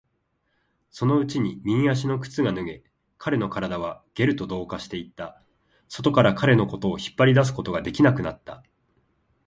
そのうちに右足の靴が脱げ、彼の体はゲルと同化していった。外から彼のことを引っ張り出すことができなくなった。